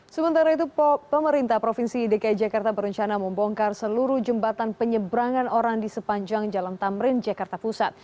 sementara itu pemerintah provinsi dki jakarta berencana membongkar seluruh jembatan penyeberangan orang di sepanjang jalan tamrin jakarta pusat